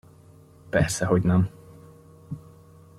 Persze hogy nem.